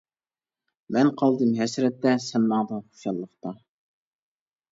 مەن قالدىم ھەسرەتتە، سەن ماڭدىڭ، خۇشاللىقتا.